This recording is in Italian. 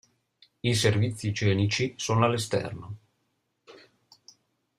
I servizi igienici sono all'esterno.